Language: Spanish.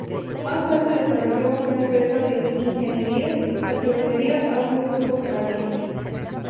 Más tarde desarrolló una empresa de ingeniería, la que vendería a un grupo canadiense.